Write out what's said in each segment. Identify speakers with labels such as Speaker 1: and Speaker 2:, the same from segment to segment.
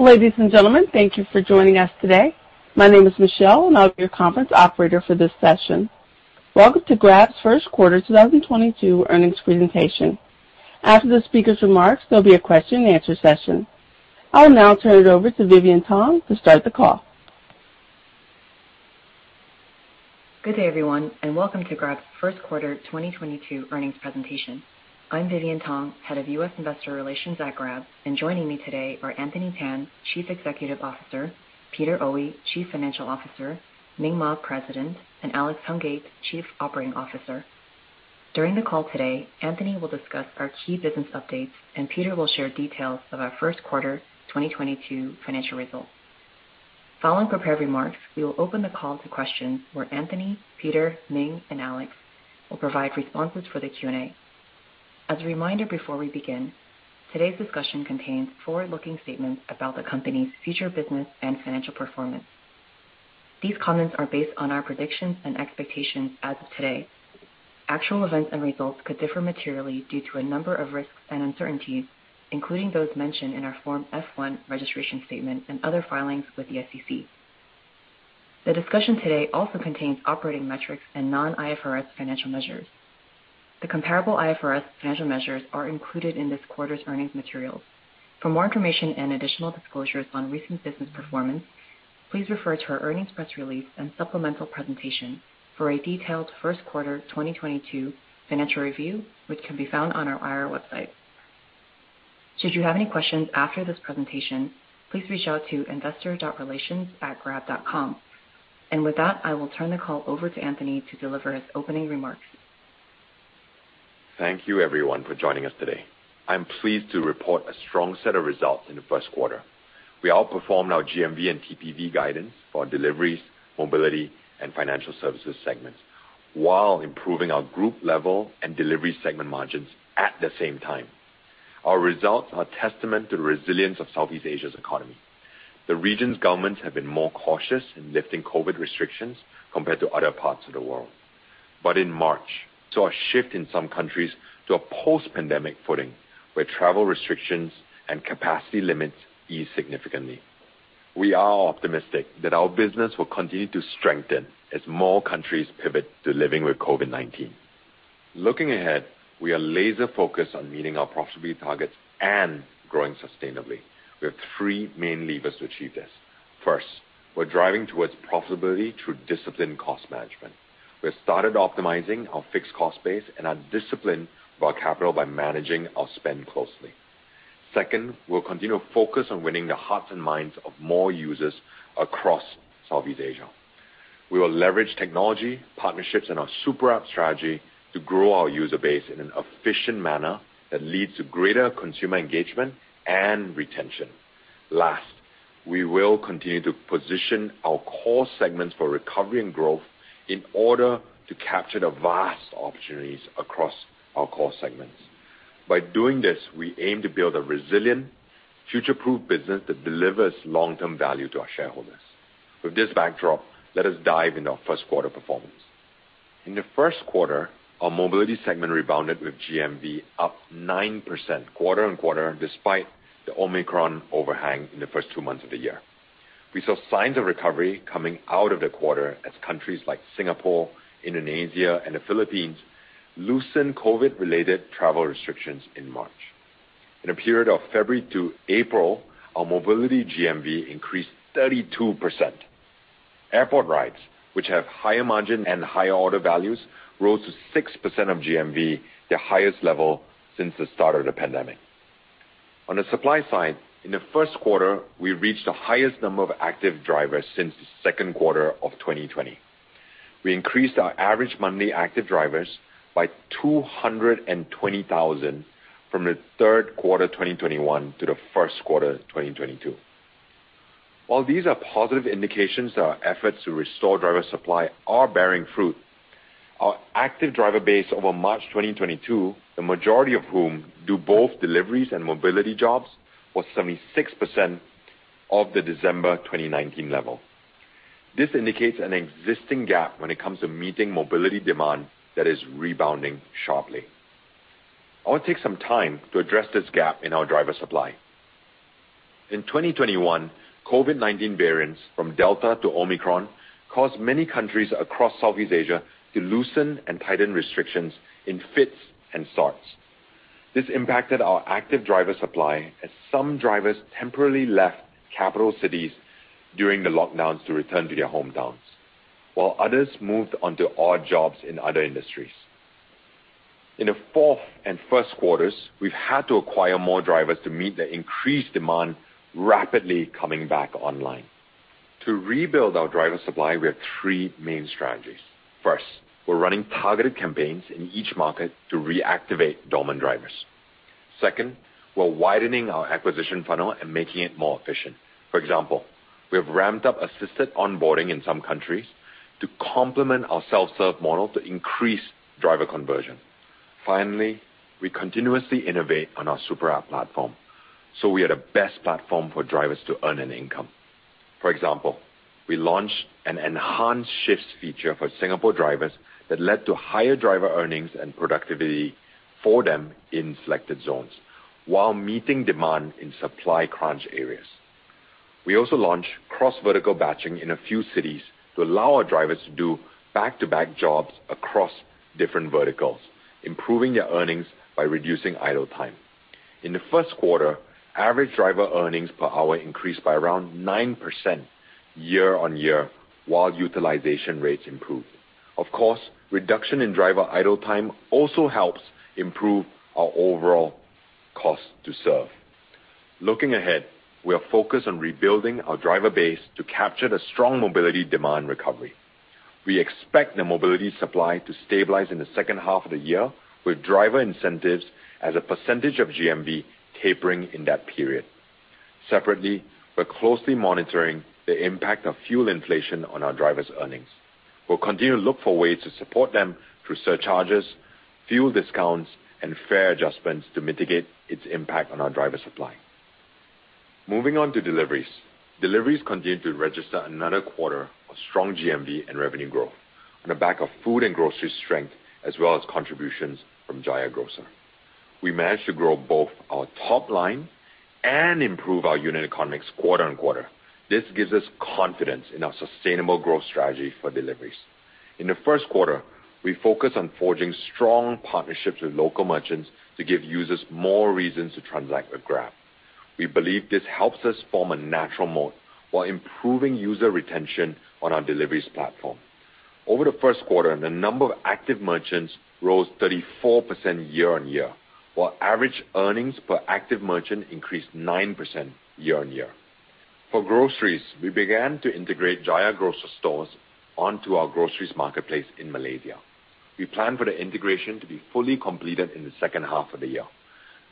Speaker 1: Ladies and gentlemen, thank you for joining us today. My name is Michelle, and I'll be your conference operator for this session. Welcome to Grab's first quarter 2022 earnings presentation. After the speaker's remarks, there'll be a question-and-answer session. I'll now turn it over to Vivian Tong to start the call.
Speaker 2: Good day, everyone, and welcome to Grab's first quarter 2022 earnings presentation. I'm Vivian Tong, Head of U.S. Investor Relations at Grab, and joining me today are Anthony Tan, Chief Executive Officer, Peter Oey, Chief Financial Officer, Ming Maa, President, and Alex Hungate, Chief Operating Officer. During the call today, Anthony will discuss our key business updates, and Peter will share details of our first quarter 2022 financial results. Following prepared remarks, we will open the call to questions where Anthony, Peter, Ming, and Alex will provide responses for the Q&A. As a reminder, before we begin, today's discussion contains forward-looking statements about the company's future business and financial performance. These comments are based on our predictions and expectations as of today. Actual events and results could differ materially due to a number of risks and uncertainties, including those mentioned in our Form F-1 registration statement and other filings with the SEC. The discussion today also contains operating metrics and non-IFRS financial measures. The comparable IFRS financial measures are included in this quarter's earnings materials. For more information and additional disclosures on recent business performance, please refer to our earnings press release and supplemental presentation for a detailed first quarter 2022 financial review, which can be found on our IR website. Should you have any questions after this presentation, please reach out to investor.relations@grab.com. With that, I will turn the call over to Anthony to deliver his opening remarks.
Speaker 3: Thank you, everyone, for joining us today. I'm pleased to report a strong set of results in the first quarter. We outperformed our GMV and TPV guidance for our deliveries, mobility, and financial services segments while improving our group level and delivery segment margins at the same time. Our results are a testament to the resilience of Southeast Asia's economy. The region's governments have been more cautious in lifting COVID-19 restrictions compared to other parts of the world. In March, we saw a shift in some countries to a post-pandemic footing, where travel restrictions and capacity limits eased significantly. We are optimistic that our business will continue to strengthen as more countries pivot to living with COVID-19. Looking ahead, we are laser-focused on meeting our profitability targets and growing sustainably. We have three main levers to achieve this. First, we're driving towards profitability through disciplined cost management. We have started optimizing our fixed cost base and are disciplined with our capital by managing our spend closely. Second, we'll continue to focus on winning the hearts and minds of more users across Southeast Asia. We will leverage technology, partnerships, and our Super App strategy to grow our user base in an efficient manner that leads to greater consumer engagement and retention. Last, we will continue to position our core segments for recovery and growth in order to capture the vast opportunities across our core segments. By doing this, we aim to build a resilient, future-proof business that delivers long-term value to our shareholders. With this backdrop, let us dive into our first quarter performance. In the first quarter, our mobility segment rebounded with GMV up 9% quarter-on-quarter, despite the Omicron overhang in the first two months of the year. We saw signs of recovery coming out of the quarter as countries like Singapore, Indonesia, and the Philippines loosened COVID-related travel restrictions in March. In a period of February to April, our mobility GMV increased 32%. Airport rides, which have higher margin and higher order values, rose to 6% of GMV, their highest level since the start of the pandemic. On the supply side, in the first quarter, we reached the highest number of active drivers since the second quarter of 2020. We increased our average monthly active drivers by 220,000 from the third quarter 2021 to the first quarter 2022. While these are positive indications that our efforts to restore driver supply are bearing fruit, our active driver base over March 2022, the majority of whom do both deliveries and mobility jobs, was 76% of the December 2019 level. This indicates an existing gap when it comes to meeting mobility demand that is rebounding sharply. I will take some time to address this gap in our driver supply. In 2021, COVID-19 variants from Delta to Omicron caused many countries across Southeast Asia to loosen and tighten restrictions in fits and starts. This impacted our active driver supply as some drivers temporarily left capital cities during the lockdowns to return to their hometowns, while others moved on to odd jobs in other industries. In the fourth and first quarters, we've had to acquire more drivers to meet the increased demand rapidly coming back online. To rebuild our driver supply, we have three main strategies. First, we're running targeted campaigns in each market to reactivate dormant drivers. Second, we're widening our acquisition funnel and making it more efficient. For example, we have ramped up assisted onboarding in some countries to complement our self-serve model to increase driver conversion. Finally, we continuously innovate on our Superapp platform, so we are the best platform for drivers to earn an income. For example, we launched an enhanced Shifts feature for Singapore drivers that led to higher driver earnings and productivity for them in selected zones, while meeting demand in supply crunch areas. We also launched cross-vertical batching in a few cities to allow our drivers to do back-to-back jobs across different verticals, improving their earnings by reducing idle time. In the first quarter, average driver earnings per hour increased by around 9% year-on-year, while utilization rates improved. Of course, reduction in driver idle time also helps improve our overall cost to serve. Looking ahead, we are focused on rebuilding our driver base to capture the strong mobility demand recovery. We expect the mobility supply to stabilize in the H2 of the year, with driver incentives as a percentage of GMV tapering in that period. Separately, we're closely monitoring the impact of fuel inflation on our drivers' earnings. We'll continue to look for ways to support them through surcharges, fuel discounts, and fare adjustments to mitigate its impact on our driver supply. Moving on to deliveries. Deliveries continued to register another quarter of strong GMV and revenue growth on the back of food and grocery strength, as well as contributions from Jaya Grocer. We managed to grow both our top line and improve our unit economics quarter-on-quarter. This gives us confidence in our sustainable growth strategy for deliveries. In the first quarter, we focused on forging strong partnerships with local merchants to give users more reasons to transact with Grab. We believe this helps us form a natural moat while improving user retention on our deliveries platform. Over the first quarter, the number of active merchants rose 34% year-on-year, while average earnings per active merchant increased 9% year-on-year. For groceries, we began to integrate Jaya Grocer stores onto our groceries marketplace in Malaysia. We plan for the integration to be fully completed in the H2 of the year.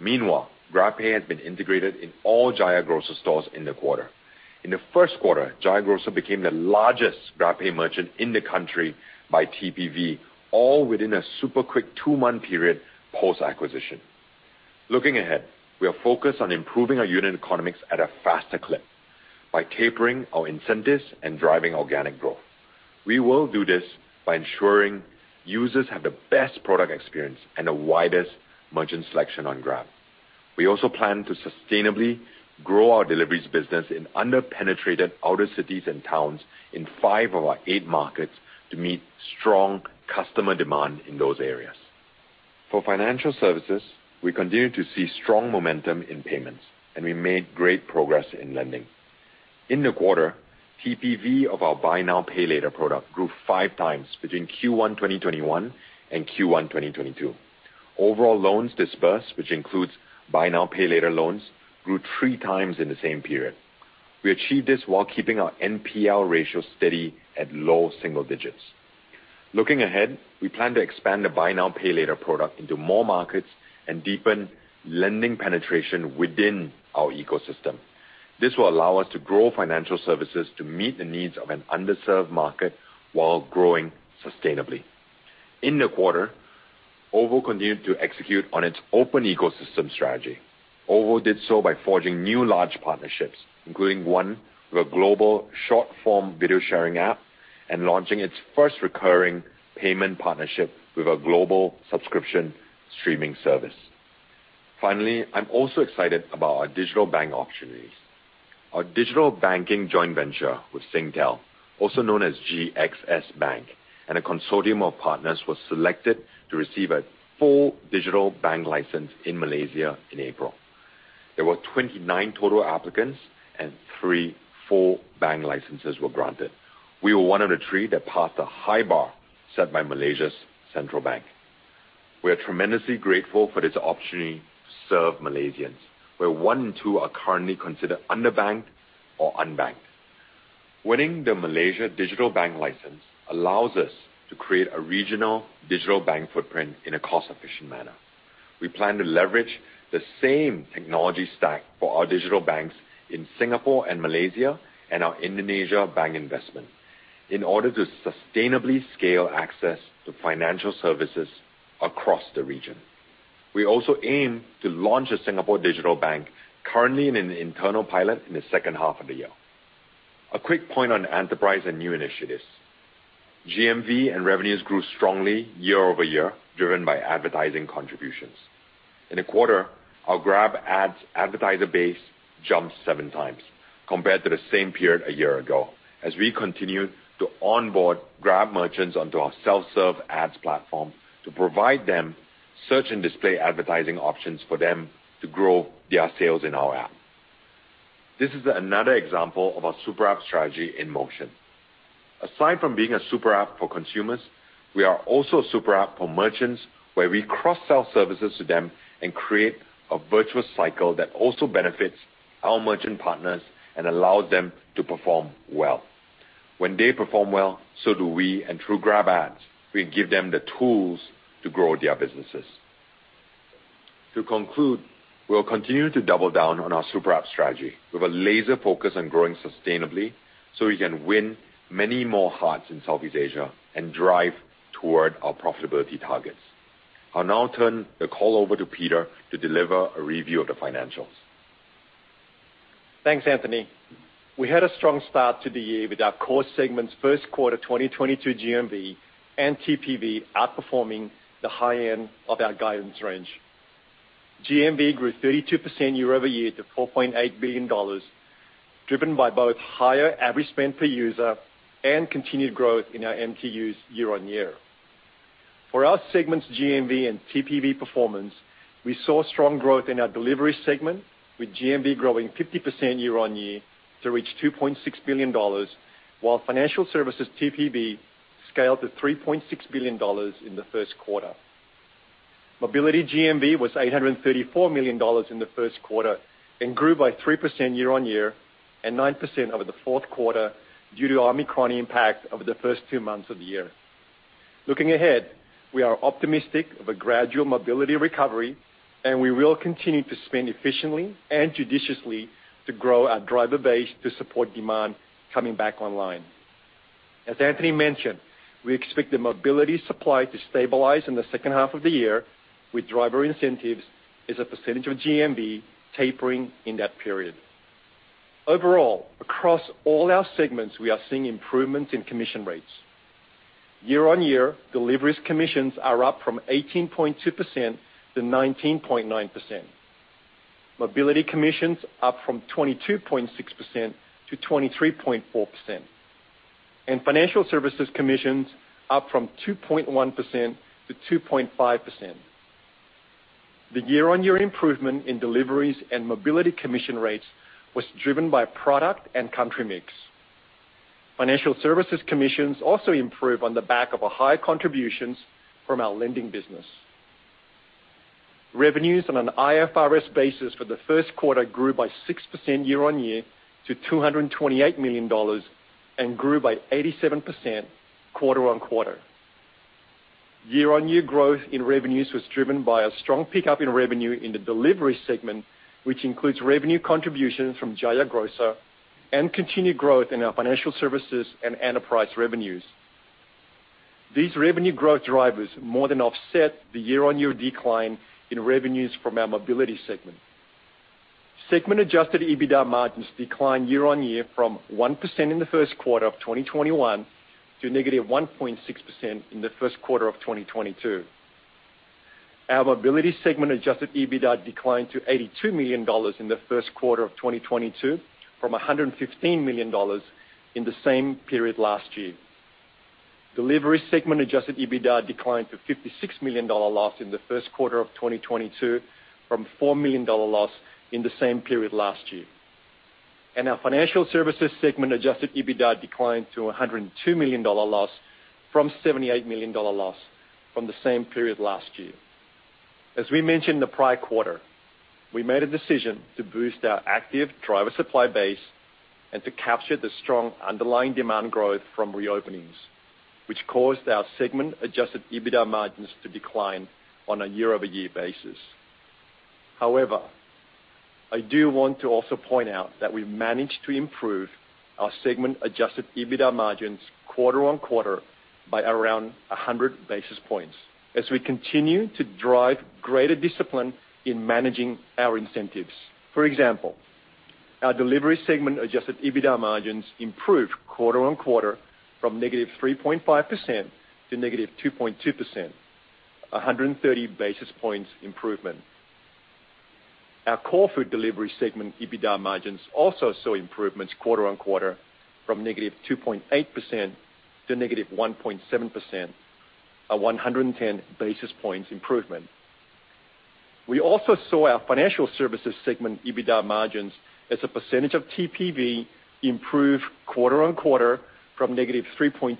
Speaker 3: Meanwhile, GrabPay has been integrated in all Jaya Grocer stores in the quarter. In the first quarter, Jaya Grocer became the largest GrabPay merchant in the country by TPV, all within a super quick two-month period post-acquisition. Looking ahead, we are focused on improving our unit economics at a faster clip by tapering our incentives and driving organic growth. We will do this by ensuring users have the best product experience and the widest merchant selection on Grab. We also plan to sustainably grow our deliveries business in under-penetrated outer cities and towns in five of our eight markets to meet strong customer demand in those areas. For financial services, we continue to see strong momentum in payments, and we made great progress in lending. In the quarter, TPV of our buy now, pay later product grew 5x between Q1 2021 and Q1 2022. Overall loans disbursed, which includes buy now, pay later loans, grew 3x in the same period. We achieved this while keeping our NPL ratio steady at low single digits. Looking ahead, we plan to expand the buy now, pay later product into more markets and deepen lending penetration within our ecosystem. This will allow us to grow financial services to meet the needs of an underserved market while growing sustainably. In the quarter, OVO continued to execute on its open ecosystem strategy. OVO did so by forging new large partnerships, including one with a global short-form video sharing app and launching its first recurring payment partnership with a global subscription streaming service. Finally, I'm also excited about our digital bank opportunities. Our digital banking joint venture with Singtel, also known as GXS Bank, and a consortium of partners, was selected to receive a full digital bank license in Malaysia in April. There were 29 total applicants and three full bank licenses were granted. We were one of the three that passed a high bar set by Malaysia's central bank. We are tremendously grateful for this opportunity to serve Malaysians, where one in two are currently considered underbanked or unbanked. Winning the Malaysia digital bank license allows us to create a regional digital bank footprint in a cost-efficient manner. We plan to leverage the same technology stack for our digital banks in Singapore and Malaysia and our Indonesia bank investment in order to sustainably scale access to financial services across the region. We also aim to launch a Singapore digital bank currently in an internal pilot in the H2 of the year. A quick point on enterprise and new initiatives. GMV and revenues grew strongly year-over-year, driven by advertising contributions. In a quarter, our Grab Ads advertiser base jumped 7x compared to the same period a year ago, as we continued to onboard Grab merchants onto our self-serve ads platform to provide them search and display advertising options for them to grow their sales in our app. This is another example of our super app strategy in motion. Aside from being a super app for consumers, we are also a super app for merchants, where we cross-sell services to them and create a virtuous cycle that also benefits our merchant partners and allows them to perform well. When they perform well, so do we, and through Grab Ads, we give them the tools to grow their businesses. To conclude, we'll continue to double down on our super app strategy with a laser focus on growing sustainably so we can win many more hearts in Southeast Asia and drive toward our profitability targets. I'll now turn the call over to Peter to deliver a review of the financials.
Speaker 4: Thanks, Anthony. We had a strong start to the year with our core segment's first quarter 2022 GMV and TPV outperforming the high end of our guidance range. GMV grew 32% year-over-year to $4.8 billion, driven by both higher average spend per user and continued growth in our MTUs year-over-year. For our segment's GMV and TPV performance, we saw strong growth in our delivery segment, with GMV growing 50% year-over-year to reach $2.6 billion, while financial services TPV scaled to $3.6 billion in the first quarter. Mobility GMV was $834 million in the first quarter and grew by 3% year-over-year and 9% over the fourth quarter due to Omicron impact over the first two months of the year. Looking ahead, we are optimistic of a gradual mobility recovery and we will continue to spend efficiently and judiciously to grow our driver base to support demand coming back online. As Anthony mentioned, we expect the mobility supply to stabilize in the H2 of the year, with driver incentives as a percentage of GMV tapering in that period. Overall, across all our segments, we are seeing improvements in commission rates. Year-on-year, deliveries commissions are up 18.2%-19.9%. Mobility commissions up 22.6%-23.4%. Financial services commissions up 2.1%-2.5%. The year-on-year improvement in deliveries and mobility commission rates was driven by product and country mix. Financial services commissions also improve on the back of higher contributions from our lending business. Revenues on an IFRS basis for the first quarter grew by 6% year-on-year to $228 million and grew by 87% quarter-on-quarter. Year-on-year growth in revenues was driven by a strong pickup in revenue in the delivery segment, which includes revenue contributions from Jaya Grocer and continued growth in our financial services and enterprise revenues. These revenue growth drivers more than offset the year-on-year decline in revenues from our mobility segment. Segment-adjusted EBITDA margins declined year-on-year from 1% in the first quarter of 2021 to -1.6% in the first quarter of 2022. Our mobility segment-adjusted EBITDA declined to $82 million in the first quarter of 2022 from $115 million in the same period last year. Delivery segment-adjusted EBITDA declined to $56 million loss in the first quarter of 2022 from $4 million loss in the same period last year. Our financial services segment-adjusted EBITDA declined to $102 million loss from $78 million loss from the same period last year. As we mentioned in the prior quarter, we made a decision to boost our active driver supply base and to capture the strong underlying demand growth from reopenings, which caused our segment-adjusted EBITDA margins to decline on a year-over-year basis. However, I do want to also point out that we've managed to improve our segment-adjusted EBITDA margins quarter-on-quarter by around 100 basis points as we continue to drive greater discipline in managing our incentives. For example, our delivery segment-adjusted EBITDA margins improved quarter-on-quarter from -3.5% to -2.2%, a 130 basis points improvement. Our core food delivery segment EBITDA margins also saw improvements quarter-on-quarter from -2.8% to -1.7%, a 110 basis points improvement. We also saw our financial services segment EBITDA margins as a percentage of TPV improve quarter-on-quarter from -3.2%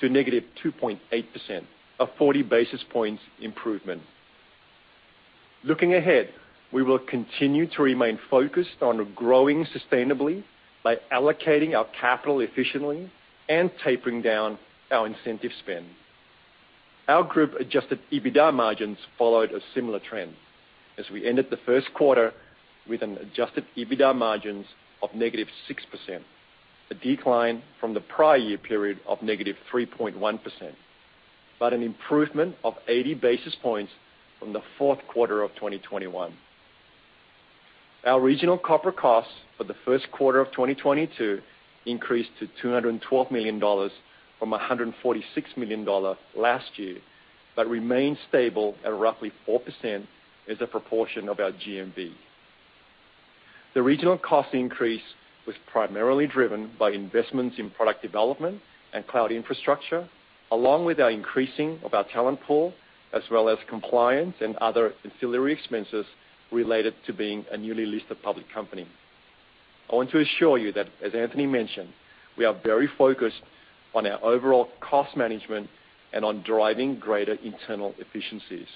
Speaker 4: to -2.8%, a 40 basis points improvement. Looking ahead, we will continue to remain focused on growing sustainably by allocating our capital efficiently and tapering down our incentive spend. Our group Adjusted EBITDA margins followed a similar trend as we ended the first quarter with an Adjusted EBITDA margins of -6%, a decline from the prior year period of -3.1%, but an improvement of 80 basis points from the fourth quarter of 2021. Our regional corporate costs for the first quarter of 2022 increased to $212 million from $146 million last year, but remained stable at roughly 4% as a proportion of our GMV. The regional cost increase was primarily driven by investments in product development and cloud infrastructure, along with our increasing of our talent pool as well as compliance and other ancillary expenses related to being a newly listed public company. I want to assure you that, as Anthony mentioned, we are very focused on our overall cost management and on driving greater internal efficiencies.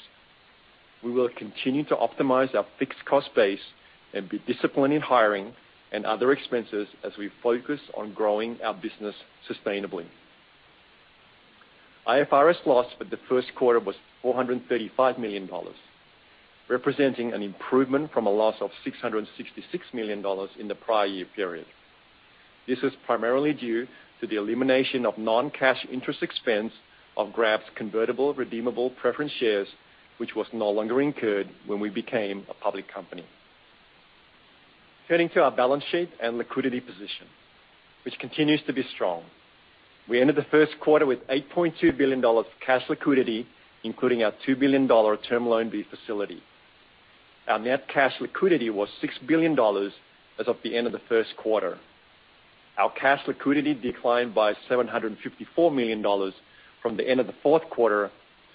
Speaker 4: We will continue to optimize our fixed cost base and be disciplined in hiring and other expenses as we focus on growing our business sustainably. IFRS loss for the first quarter was $435 million, representing an improvement from a loss of $666 million in the prior year period. This is primarily due to the elimination of non-cash interest expense of Grab's convertible redeemable preference shares, which was no longer incurred when we became a public company. Turning to our balance sheet and liquidity position, which continues to be strong. We ended the first quarter with $8.2 billion cash liquidity, including our $2 billion term loan B facility. Our net cash liquidity was $6 billion as of the end of the first quarter. Our cash liquidity declined by $754 million from the end of the fourth quarter,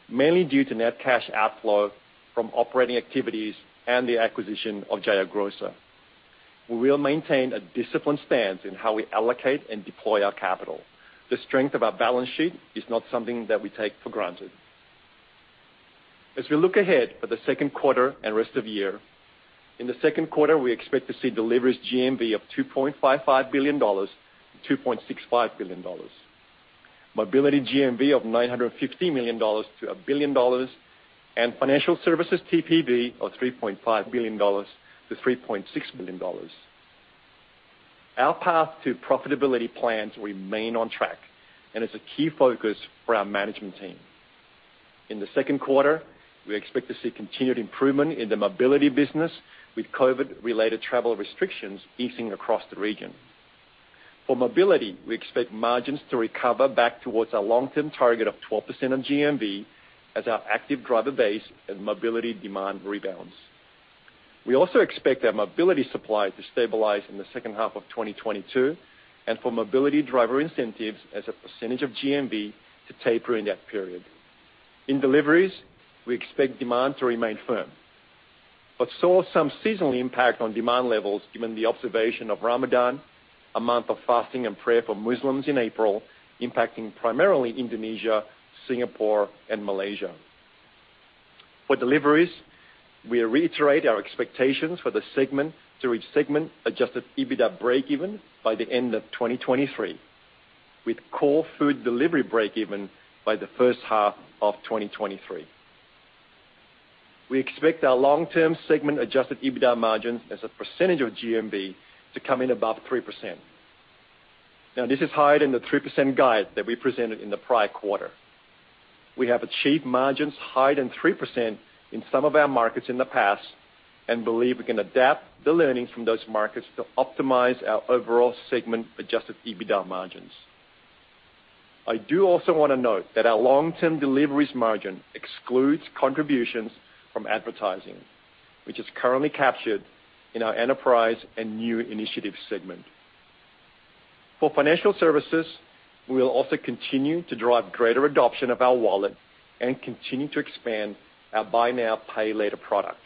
Speaker 4: mainly due to net cash outflow from operating activities and the acquisition of Jaya Grocer. We will maintain a disciplined stance in how we allocate and deploy our capital. The strength of our balance sheet is not something that we take for granted. As we look ahead for the second quarter and rest of the year, in the second quarter, we expect to see deliveries GMV of $2.55 billion-$2.65 billion. Mobility GMV of $950 million-$1 billion, and financial services TPV of $3.5 billion-$3.6 billion. Our path to profitability plans remain on track and is a key focus for our management team. In the second quarter, we expect to see continued improvement in the mobility business with COVID-related travel restrictions easing across the region. For mobility, we expect margins to recover back towards our long-term target of 12% on GMV as our active driver base and mobility demand rebounds. We also expect our mobility supply to stabilize in the H2 of 2022, and for mobility driver incentives as a percentage of GMV to taper in that period. In deliveries, we expect demand to remain firm, but saw some seasonal impact on demand levels given the observation of Ramadan, a month of fasting and prayer for Muslims in April, impacting primarily Indonesia, Singapore, and Malaysia. For deliveries, we reiterate our expectations for the segment to reach segment-adjusted EBITDA breakeven by the end of 2023, with core food delivery breakeven by the H1 of 2023. We expect our long-term segment-adjusted EBITDA margins as a percentage of GMV to come in above 3%. Now, this is higher than the 3% guide that we presented in the prior quarter. We have achieved margins higher than 3% in some of our markets in the past and believe we can adapt the learnings from those markets to optimize our overall segment-adjusted EBITDA margins. I do also wanna note that our long-term deliveries margin excludes contributions from advertising, which is currently captured in our enterprise and new initiatives segment. For financial services, we will also continue to drive greater adoption of our wallet and continue to expand our buy now, pay later product.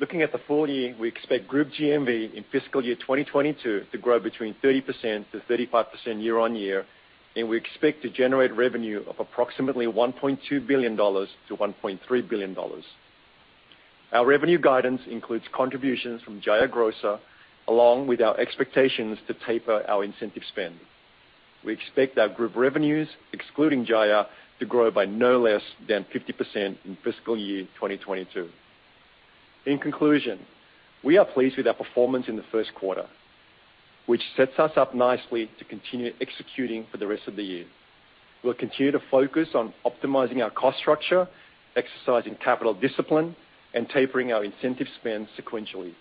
Speaker 4: Looking at the full year, we expect group GMV in fiscal year 2022 to grow between 30%-35% year-on-year, and we expect to generate revenue of approximately $1.2 billion-$1.3 billion. Our revenue guidance includes contributions from Jaya Grocer, along with our expectations to taper our incentive spend. We expect our group revenues, excluding Jaya, to grow by no less than 50% in fiscal year 2022. In conclusion, we are pleased with our performance in the first quarter, which sets us up nicely to continue executing for the rest of the year. We'll continue to focus on optimizing our cost structure, exercising capital discipline, and tapering our incentive spend sequentially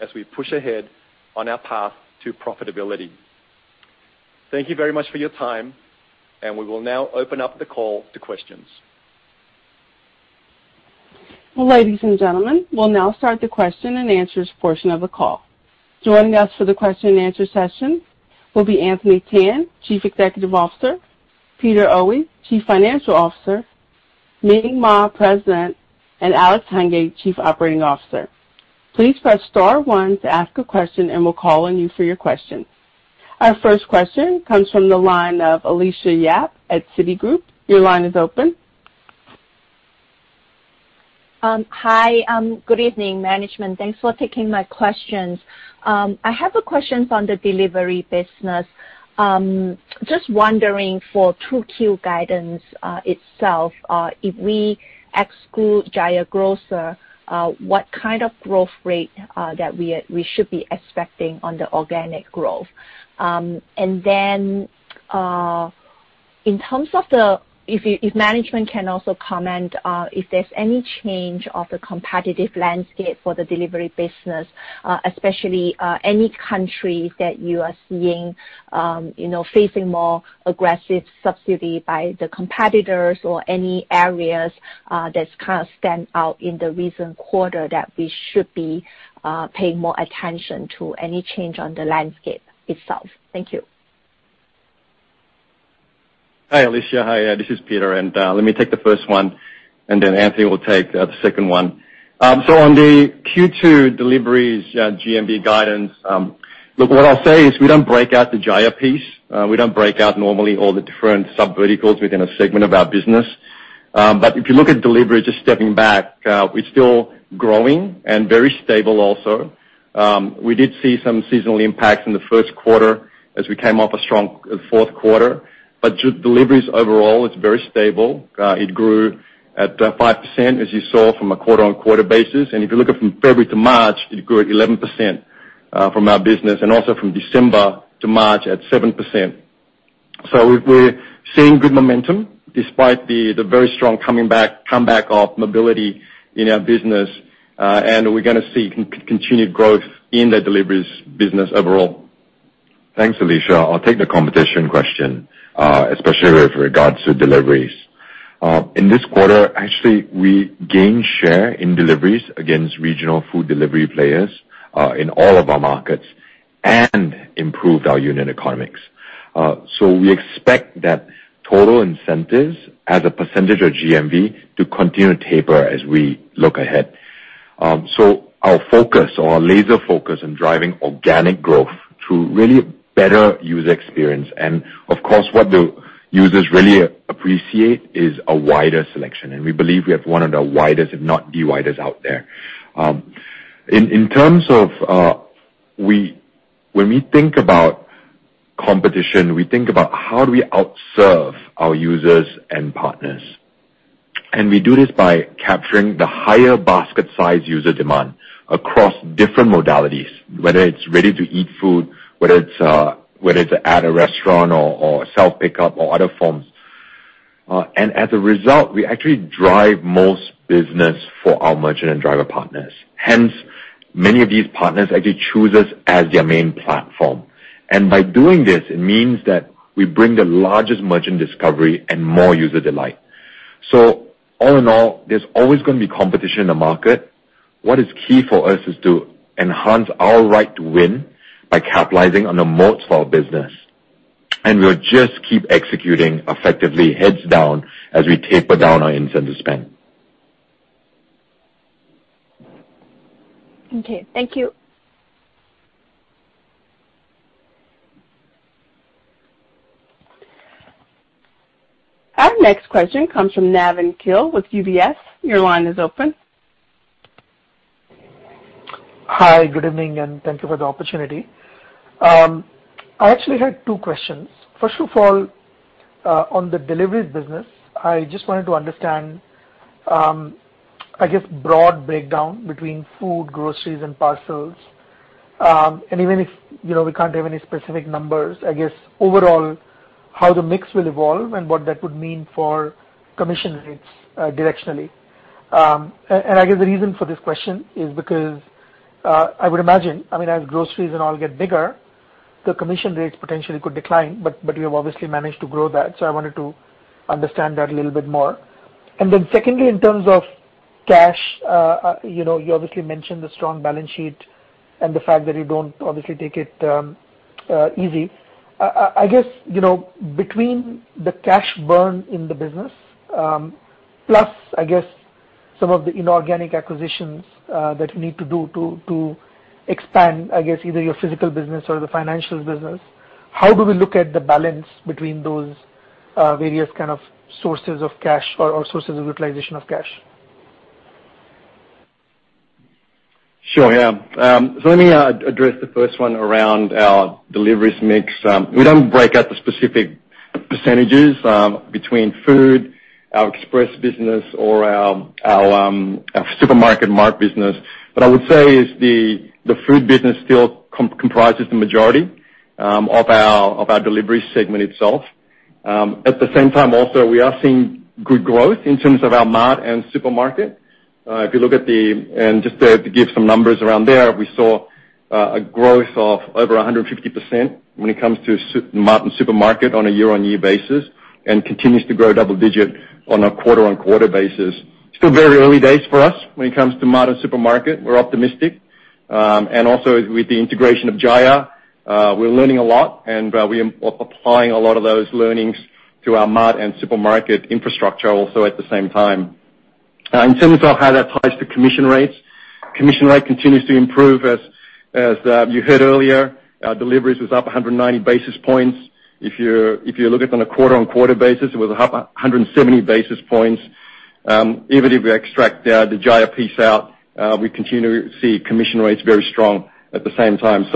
Speaker 4: as we push ahead on our path to profitability. Thank you very much for your time, and we will now open up the call to questions.
Speaker 1: Ladies and gentlemen, we'll now start the question and answers portion of the call. Joining us for the question and answer session will be Anthony Tan, Chief Executive Officer, Peter Oey, Chief Financial Officer, Ming Maa, President, and Alex Hungate, Chief Operating Officer. Please press star one to ask a question, and we'll call on you for your question. Our first question comes from the line of Alicia Yap at Citigroup. Your line is open.
Speaker 5: Hi. Good evening, management. Thanks for taking my questions. I have a question on the delivery business. Just wondering for 2Q guidance itself, if we exclude Jaya Grocer, what kind of growth rate that we should be expecting on the organic growth? In terms of if you, if management can also comment, if there's any change of the competitive landscape for the delivery business, especially any countries that you are seeing you know facing more aggressive subsidy by the competitors or any areas that's kinda stand out in the recent quarter that we should be paying more attention to any change on the landscape itself. Thank you.
Speaker 4: Hi, Alicia. Hi, this is Peter, and let me take the first one, and then Anthony will take the second one. On the Q2 deliveries GMV guidance, look, what I'll say is we don't break out the Jaya piece. We don't break out normally all the different subverticals within a segment of our business. If you look at delivery, just stepping back, we're still growing and very stable also. We did see some seasonal impacts in the first quarter as we came off a strong fourth quarter. Just deliveries overall, it's very stable. It grew at 5%, as you saw from a quarter-over-quarter basis. If you look at from February to March, it grew at 11% from our business, and also from December to March at 7%. We're seeing good momentum despite the very strong comeback of mobility in our business. We're gonna see continued growth in the deliveries business overall. Thanks, Alicia. I'll take the competition question, especially with regards to deliveries. In this quarter, actually, we gained share in deliveries against regional food delivery players in all of our markets and improved our unit economics. We expect that total incentives as a percentage of GMV to continue to taper as we look ahead. Our focus or our laser focus in driving organic growth through really better user experience. Of course, what the users really appreciate is a wider selection, and we believe we have one of the widest, if not the widest out there. In terms of, when we think about competition, we think about how do we outserve our users and partners. We do this by capturing the higher basket size user demand across different modalities, whether it's ready-to-eat food, whether it's at a restaurant or self-pickup or other forms. As a result, we actually drive most business for our merchant and driver partners. Hence, many of these partners actually choose us as their main platform. By doing this, it means that we bring the largest merchant discovery and more user delight. All in all, there's always gonna be competition in the market. What is key for us is to enhance our right to win by capitalizing on the moats of our business. We'll just keep executing effectively heads down as we taper down our incentive spend.
Speaker 5: Okay, thank you.
Speaker 1: Our next question comes from Navin Killa with UBS. Your line is open.
Speaker 6: Hi, good evening, and thank you for the opportunity. I actually had two questions. First of all, on the deliveries business, I just wanted to understand, I guess, broad breakdown between food, groceries and parcels. Even if, you know, we can't have any specific numbers, I guess, overall, how the mix will evolve and what that would mean for commission rates, directionally. I guess the reason for this question is because I would imagine, I mean, as groceries and all get bigger, the commission rates potentially could decline, but we have obviously managed to grow that. I wanted to understand that a little bit more. Secondly, in terms of cash, you know, you obviously mentioned the strong balance sheet and the fact that you don't obviously take it easy. I guess, you know, between the cash burn in the business, plus, I guess, some of the inorganic acquisitions, that you need to do to expand, I guess, either your physical business or the financials business, how do we look at the balance between those, various kind of sources of cash or sources of utilization of cash?
Speaker 4: Sure, yeah. So let me address the first one around our deliveries mix. We don't break out the specific percentages between food, our express business or our supermarket mart business. What I would say is the food business still comprises the majority of our delivery segment itself. At the same time, also, we are seeing good growth in terms of our mart and supermarket. If you look at the. Just to give some numbers around there, we saw a growth of over 150% when it comes to mart and supermarket on a year-on-year basis, and continues to grow double digit on a quarter-on-quarter basis. Still very early days for us when it comes to mart and supermarket. We're optimistic. Also with the integration of Jaya, we're learning a lot, and we are applying a lot of those learnings to our mart and supermarket infrastructure also at the same time. In terms of how that applies to commission rates, commission rate continues to improve. As you heard earlier, our deliveries was up 100 basis points. If you look at it on a quarter-on-quarter basis, it was up 170 basis points. Even if we extract the Jaya piece out, we continue to see commission rates very strong at the same time.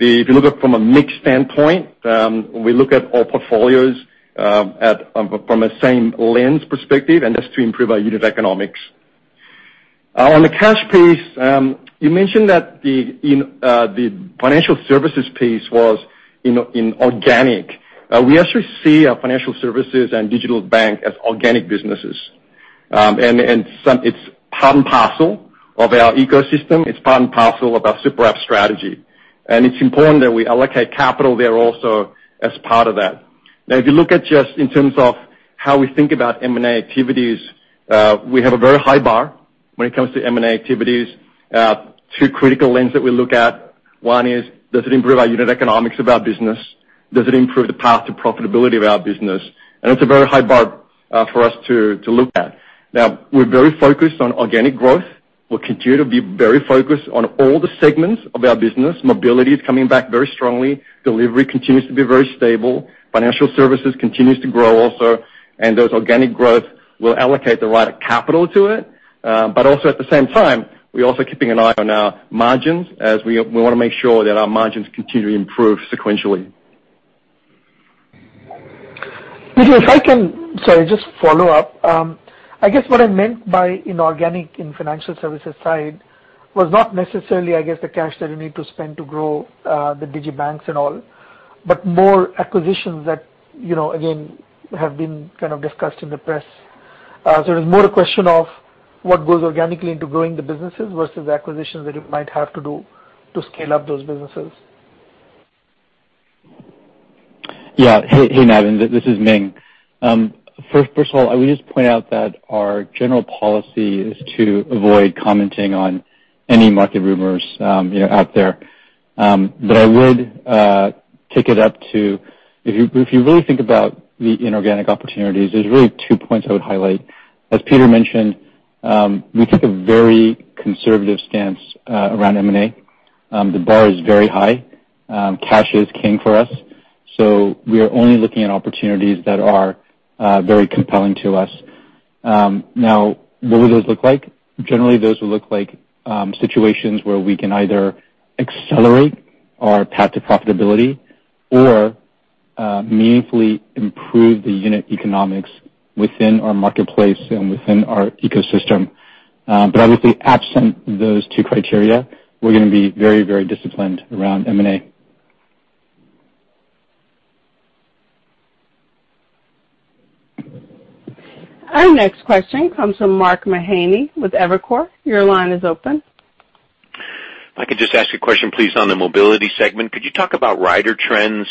Speaker 4: If you look at it from a mix standpoint, we look at our portfolios from a same lens perspective, and that's to improve our unit economics. On the cash piece, you mentioned that the financial services piece was inorganic. We actually see our financial services and digital bank as organic businesses. It's part and parcel of our ecosystem. It's part and parcel of our super app strategy. It's important that we allocate capital there also as part of that. If you look at just in terms of how we think about M&A activities, we have a very high bar when it comes to M&A activities. Two critical lens that we look at. One is, does it improve our unit economics of our business? Does it improve the path to profitability of our business? It's a very high bar for us to look at. We're very focused on organic growth. We'll continue to be very focused on all the segments of our business. Mobility is coming back very strongly. Delivery continues to be very stable. Financial Services continues to grow also. Those organic growth, we'll allocate the right capital to it. Also at the same time, we're also keeping an eye on our margins as we wanna make sure that our margins continue to improve sequentially.
Speaker 6: Peter, if I can. Sorry, just follow up. I guess what I meant by inorganic in financial services side was not necessarily, I guess, the cash that you need to spend to grow, the digital banks and all, but more acquisitions that, you know, again, have been kind of discussed in the press. It was more a question of what goes organically into growing the businesses versus acquisitions that it might have to do to scale up those businesses.
Speaker 7: Yeah. Hey, Navin. This is Ming. First of all, I will just point out that our general policy is to avoid commenting on any market rumors, you know, out there. I would kick it up to. If you really think about the inorganic opportunities, there's really two points I would highlight. As Peter mentioned, we take a very conservative stance around M&A. The bar is very high. Cash is king for us, so we are only looking at opportunities that are very compelling to us. Now what would those look like? Generally, those would look like situations where we can either accelerate our path to profitability or meaningfully improve the unit economics within our marketplace and within our ecosystem. Obviously, absent those two criteria, we're gonna be very, very disciplined around M&A.
Speaker 1: Our next question comes from Mark Mahaney with Evercore. Your line is open.
Speaker 8: If I could just ask a question, please, on the mobility segment. Could you talk about rider trends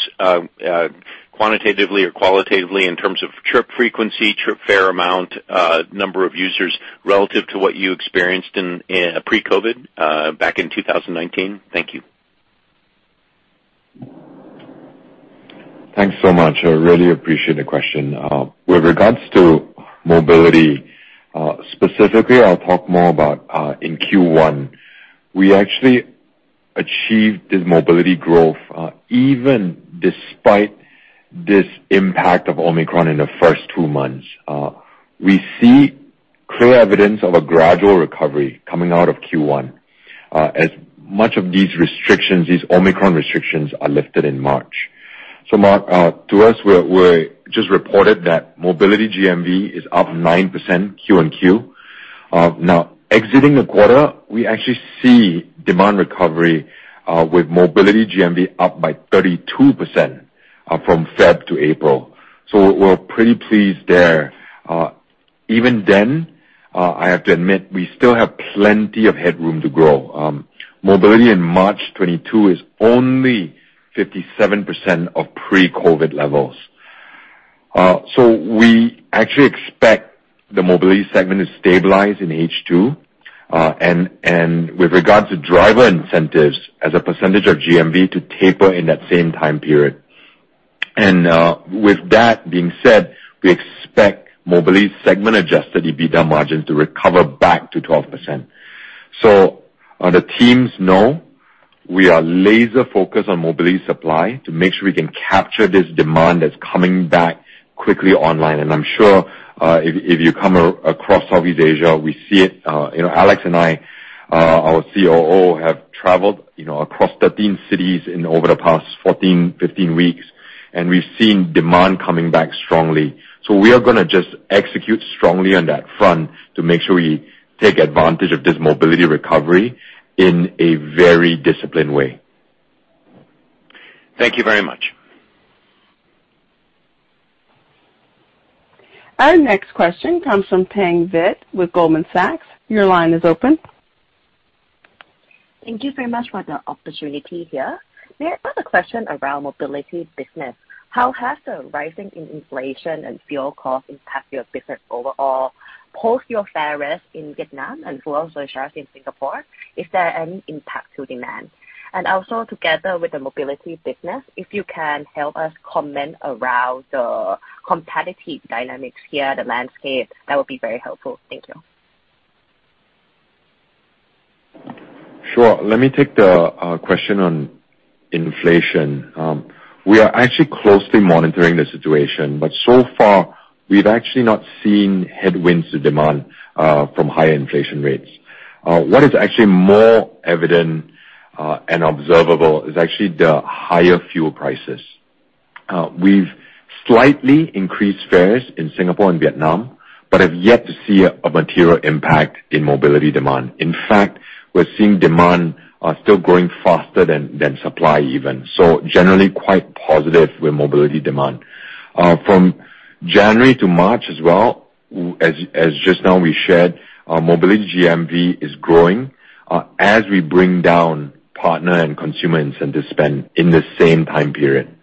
Speaker 8: quantitatively or qualitatively in terms of trip frequency, trip fare amount, number of users relative to what you experienced in pre-COVID back in 2019? Thank you.
Speaker 3: Thanks so much. I really appreciate the question. With regards to mobility, specifically I'll talk more about in Q1. We actually achieved this mobility growth even despite this impact of Omicron in the first two months. We see clear evidence of a gradual recovery coming out of Q1 as much of these restrictions, these Omicron restrictions are lifted in March. Mark, to us, we're just reported that mobility GMV is up 9% Q-on-Q. Now exiting the quarter, we actually see demand recovery with mobility GMV up by 32% from February to April. We're pretty pleased there. Even then, I have to admit, we still have plenty of headroom to grow. Mobility in March 2022 is only 57% of pre-COVID levels. We actually expect the mobility segment to stabilize in H2, and with regards to driver incentives as a percentage of GMV to taper in that same time period. With that being said, we expect mobility segment-adjusted EBITDA margin to recover back to 12%. The teams know we are laser focused on mobility supply to make sure we can capture this demand that's coming back quickly online. I'm sure, if you come across Southeast Asia, we see it. You know, Alex and I, our COO, have traveled, you know, across 13 cities in over the past 14, 15 weeks, and we've seen demand coming back strongly. We are gonna just execute strongly on that front to make sure we take advantage of this mobility recovery in a very disciplined way.
Speaker 8: Thank you very much.
Speaker 1: Our next question comes from Pang Vitt with Goldman Sachs. Your line is open.
Speaker 9: Thank you very much for the opportunity here. May I ask a question around mobility business? How has the rising in inflation and fuel costs impact your business overall? Post your fares in Vietnam and fuel surcharges in Singapore, is there any impact to demand? Also together with the mobility business, if you can help us comment around the competitive dynamics here, the landscape, that would be very helpful. Thank you.
Speaker 3: Sure. Let me take the question on inflation. We are actually closely monitoring the situation, but so far we've actually not seen headwinds to demand from higher inflation rates. What is actually more evident and observable is actually the higher fuel prices. We've slightly increased fares in Singapore and Vietnam, but have yet to see a material impact in mobility demand. In fact, we're seeing demand still growing faster than supply even. Generally quite positive with mobility demand. From January to March as well, as just now we shared, our mobility GMV is growing as we bring down partner and consumer incentive spend in the same time period.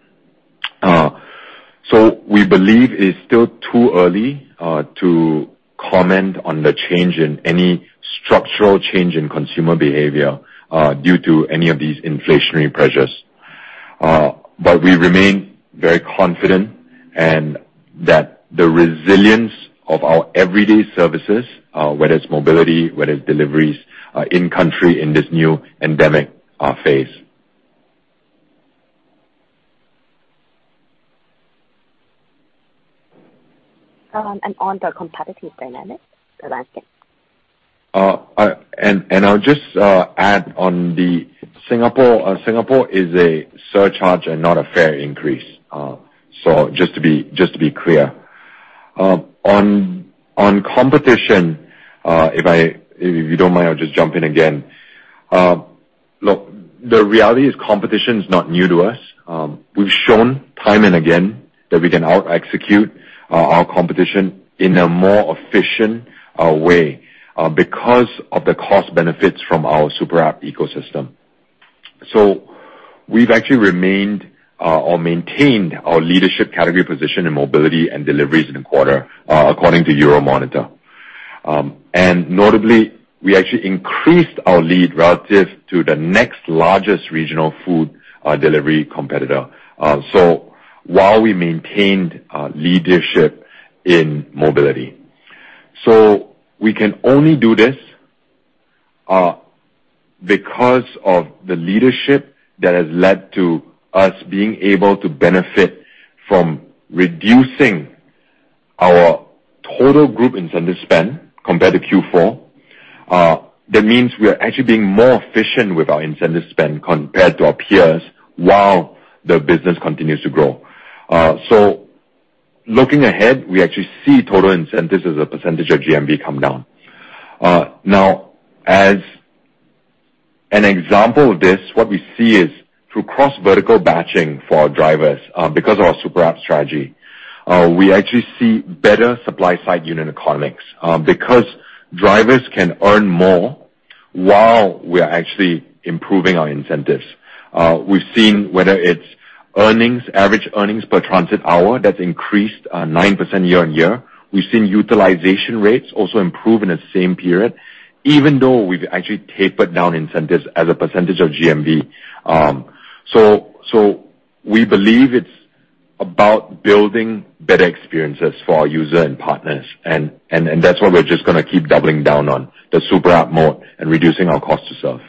Speaker 3: We believe it's still too early to comment on the change in any structural change in consumer behavior due to any of these inflationary pressures. We remain very confident and that the resilience of our everyday services whether it's mobility whether it's deliveries in country in this new pandemic phase.
Speaker 9: On the competitive dynamic, the landscape.
Speaker 3: I'll just add on the Singapore. Singapore is a surcharge and not a fare increase. Just to be clear. On competition, if you don't mind, I'll just jump in again. Look, the reality is competition's not new to us. We've shown time and again that we can out-execute our competition in a more efficient way because of the cost benefits from our super app ecosystem. We've actually remained or maintained our leadership category position in mobility and deliveries in the quarter, according to Euromonitor. Notably, we actually increased our lead relative to the next largest regional food delivery competitor. While we maintained leadership in mobility. We can only do this because of the leadership that has led to us being able to benefit from reducing our total group incentive spend compared to Q4. That means we are actually being more efficient with our incentive spend compared to our peers while the business continues to grow. Looking ahead, we actually see total incentives as a percentage of GMV come down. As an example of this, what we see is through cross-vertical batching for our drivers, because of our super app strategy, we actually see better supply side unit economics, because drivers can earn more while we are actually improving our incentives. We've seen whether it's earnings, average earnings per transit hour, that's increased 9% year-on-year. We've seen utilization rates also improve in the same period, even though we've actually tapered down incentives as a percentage of GMV. We believe it's about building better experiences for our user and partners, and that's what we're just gonna keep doubling down on, the super app mode and reducing our cost to serve.